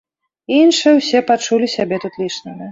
Іншыя ўсе пачулі сябе тут лішнімі.